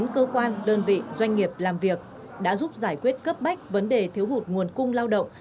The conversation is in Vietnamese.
bốn cơ quan đơn vị doanh nghiệp làm việc đã giúp giải quyết cấp bách vấn đề thiếu hụt nguồn cung lao động